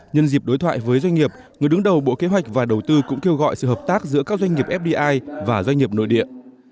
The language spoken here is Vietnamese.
nhân dịp đối thoại với doanh nghiệp người đứng đầu bộ kế hoạch và đầu tư cũng kêu gọi sự hợp tác giữa các doanh nghiệp fdi và doanh nghiệp nội địa